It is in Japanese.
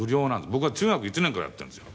僕は中学１年からやってるんですよ。